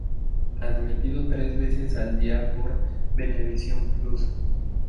Transmitido tres veces al día por Venevisión Plus.